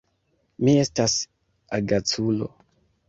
Mi estas agaculo.